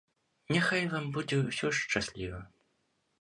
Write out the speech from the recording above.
Няхай вам будзе ўсё шчасліва.